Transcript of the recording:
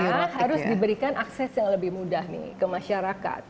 karena harus diberikan akses yang lebih mudah nih ke masyarakat